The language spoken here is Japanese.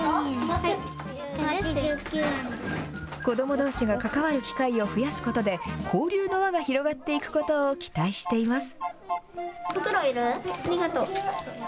子どもどうしが関わる機会を増やすことで、交流の輪が広がっていくことを期待しています。